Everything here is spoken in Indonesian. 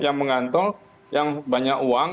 yang mengantong yang banyak uang